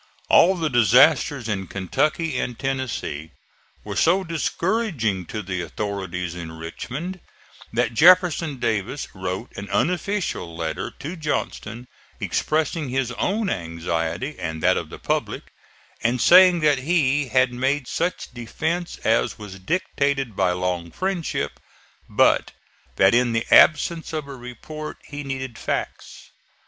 All the disasters in Kentucky and Tennessee were so discouraging to the authorities in Richmond that Jefferson Davis wrote an unofficial letter to Johnston expressing his own anxiety and that of the public, and saying that he had made such defence as was dictated by long friendship, but that in the absence of a report he needed facts.